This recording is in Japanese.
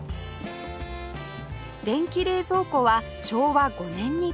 電気冷蔵庫は昭和５年に登場